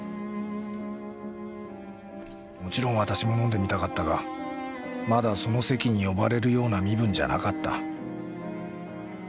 もちろん私も飲んでみたかったがまだその席に呼ばれるような身分じゃなかった。